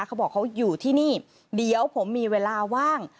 เขาบอกเขาอยู่ที่นี่เดี๋ยวผมมีเวลาว่าง